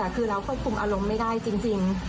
คือเราควบคุมอารมณ์ไม่ได้จริง